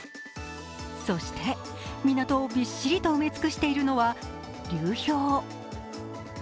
そして港をびっしりと埋め尽くしているのは流氷。